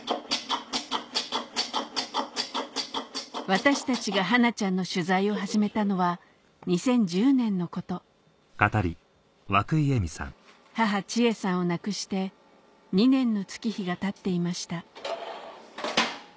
私たちがはなちゃんの取材を始めたのは２０１０年のこと母・千恵さんを亡くして２年の月日がたっていました